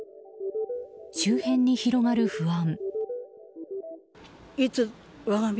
周辺に広がる不安。